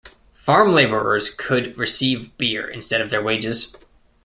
Farm labourers could receive beer instead of their wages.